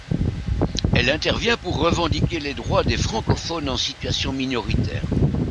Elle intervient pour revendiquer les droits des francophones en situation minoritaire.